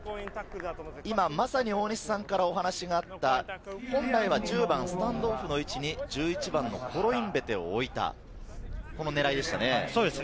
大西さんからお話があった、本来は１０番スタンドオフの位置に１１番のコロインベテを置いた、この狙いでしたね。